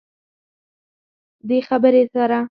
دې خبرې سره